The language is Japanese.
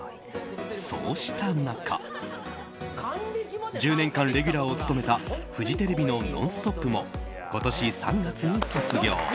そうした中１０年間レギュラーを務めたフジテレビの「ノンストップ！」も今年３月に卒業。